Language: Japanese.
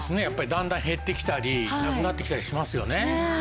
やっぱり段々減ってきたりなくなってきたりしますよね。